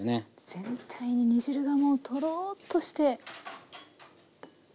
全体に煮汁がもうとろっとして。